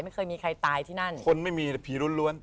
ไม่เคยมีใครตายที่นั่นคนไม่มีแต่ผีล้วนล้วน